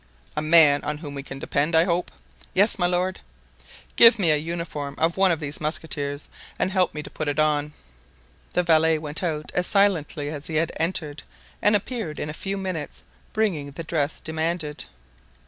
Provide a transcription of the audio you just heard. "A man on whom we can depend, I hope." "Yes, my lord." "Give me a uniform of one of these musketeers and help me to put it on." The valet went out as silently as he had entered and appeared in a few minutes bringing the dress demanded.